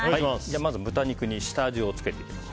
まず豚肉に下味を付けていきます。